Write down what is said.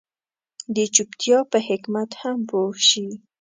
د چوپتيا په حکمت هم پوه شي.